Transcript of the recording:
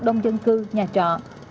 đông dân cư nhà trọ